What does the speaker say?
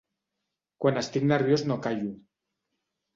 Quan estic nerviós no callo.